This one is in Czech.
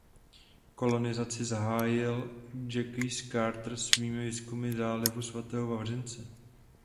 Kolonizaci zahájil Jacques Cartier svými výzkumy zálivu svatého Vavřince.